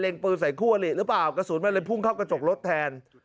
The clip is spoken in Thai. ปืนใส่คู่อลิหรือเปล่ากระสุนมันเลยพุ่งเข้ากระจกรถแทน